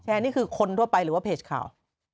นี่คือคนทั่วไปหรือว่าเพจข่าว